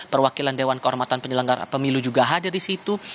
perwakilan dewan kehormatan penyelenggara pemilu juga hadir di situ